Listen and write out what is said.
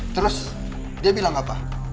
terus dia bilang apa